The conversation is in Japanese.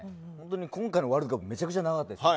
今回のワールドカップめちゃくちゃ長かったです。